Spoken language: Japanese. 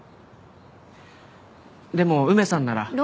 でも梅さんなら。